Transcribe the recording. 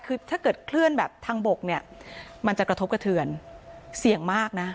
คือถ้าเกิดเคลื่อนแบบทางบกเนี่ยมันจะกระทบกระเทือนเสี่ยงมากนะ